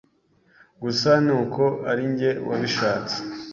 Gusa ni uko ari njye wabishatse,